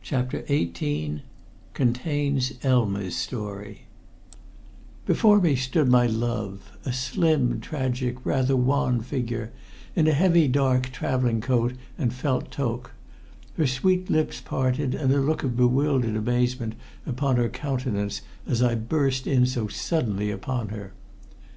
CHAPTER XVIII CONTAINS ELMA'S STORY Before me stood my love, a slim, tragic, rather wan figure in a heavy dark traveling coat and felt toque, her sweet lips parted and a look of bewildered amazement upon her countenance as I burst in so suddenly upon her.